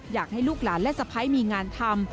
อยากให้ลูกหลานและสะพ้ายมีงานทำ